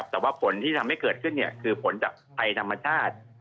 แต่ว่าผลที่ทำให้เกิดขึ้นคือผลจากภัยธรรมชาติ